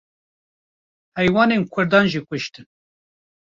heywanên Kurdan jî kuştin.